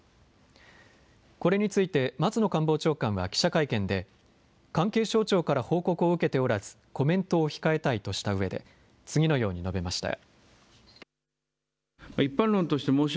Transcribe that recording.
これについて、松野官房長官は記者会見で、関係省庁から報告を受けておらず、コメントを控えたいとしたうえで、次のように述べました。